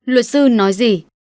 luật sư nói gì